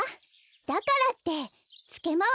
だからってつけまわすのは！